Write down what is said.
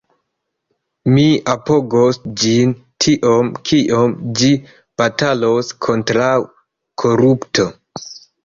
Mi apogos ĝin tiom kiom ĝi batalos kontraŭ korupto.